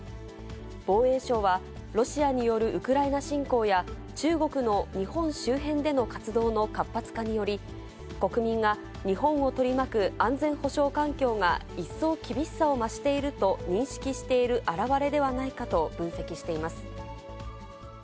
防衛省はロシアによるウクライナ侵攻や、中国の日本周辺での活動の活発化により、国民が日本を取り巻く安全保障環境が一層厳しさを増していると認識している表れではないかと分析しています。